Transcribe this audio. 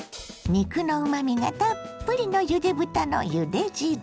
肉のうまみがたっぷりのゆで豚のゆで汁。